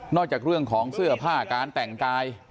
จากเรื่องของเสื้อผ้าการแต่งกาย